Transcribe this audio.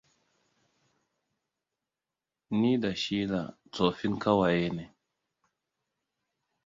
Ni da Sheila tsoffin ƙawaye ne.